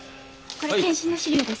これ健診の資料です。